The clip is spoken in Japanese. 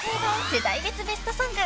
世代別ベストソング』］